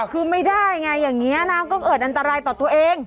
คือไม่ได้ไงอย่างนี้นะก็เกิดอันตรายต่อตัวเอง